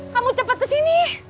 kamu cepat kesini